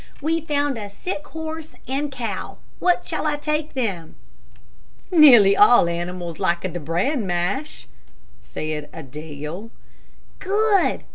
"We've found a sick horse and cow. What shall I take them?" "Nearly all animals like de bran mash," said Adele. "Good!"